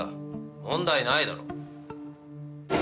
問題ないだろう？